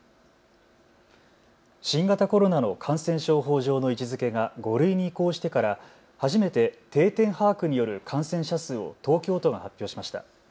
新型コロナの感染症法上の位置づけが５類に移行してから初めて定点把握による感染者数を東京都が発表しました。